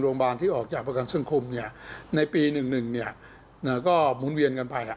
โรงพยาบาลที่ออกจากประกันสังคมในปี๑๑เนี่ยก็หมุนเวียนกันไป